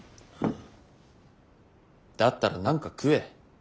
だったら何か食え。